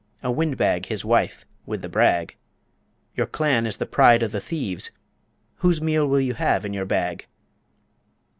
A wind bag his wife wi' the brag! Your clan is the pride o' the thieves Whose meal will you have in your bag?